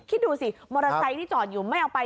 คิดดูสิมอเตอร์ไซค์ที่จอดอยู่ไม่เอาไป